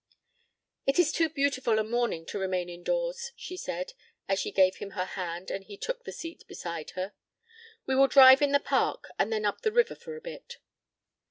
"It is too beautiful a morning to remain indoors," she said, as she gave him her hand and he took the seat beside her. "We will drive in the Park and then up the river for a bit."